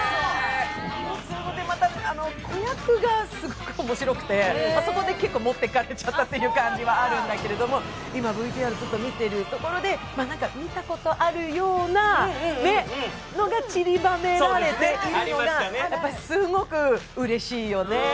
そこでまた、子役がすっごい面白くてそこで結構もってかれちゃったという感じはあるんだけど、今、ＶＴＲを見てるところで、見たことあるようなのがちりばれられているのがすっごくうれしいよね。